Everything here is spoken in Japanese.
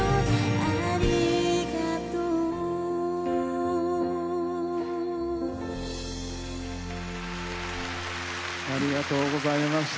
ありがとうありがとうございました。